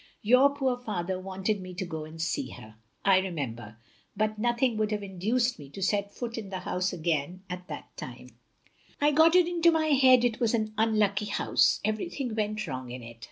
Your poor father wanted me to go and see her, I remember, but nothing would have induced me to set foot in the house again at that time. 262 THE LONELY LADY I got it into my head it was an unlucky house; everjrthing went wrong in it.